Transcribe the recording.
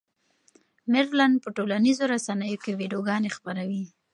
مېرلن په ټولنیزو رسنیو کې ویډیوګانې خپروي.